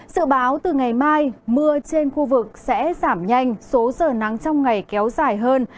sự báo từ ngày mai mưa trên khu vực sẽ giảm nhanh số giờ nắng trong ngày kéo dài hơn